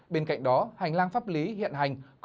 bên cạnh đó hành lang pháp lý hiện hành